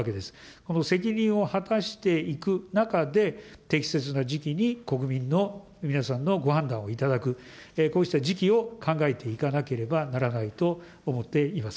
この責任を果たしていく中で、適切な時期に国民の皆さんのご判断をいただく、こうした時期を考えていかなければならないと思っています。